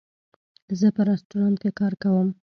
زه په رستورانټ کې کار کوم